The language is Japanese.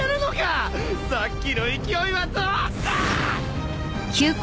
さっきの勢いはどうした！